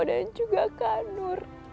dan juga kak nur